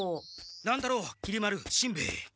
乱太郎きり丸しんべヱ。